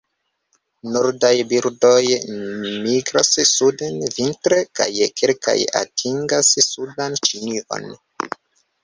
Nordaj birdoj migras suden vintre kaj kelkaj atingas sudan Ĉinion.